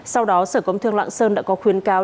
sau đó sở công thương lạng sơn đã có khuyến cáo